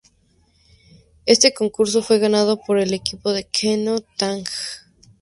Este concurso fue ganado por el equipo de Kenzo Tange.